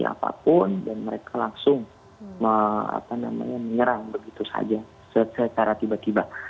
apapun dan mereka langsung menyerang begitu saja secara tiba tiba